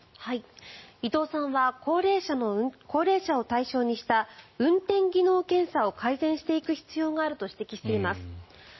伊藤さんは高齢者を対象にした運転技能検査を改善していく必要があると指摘しています。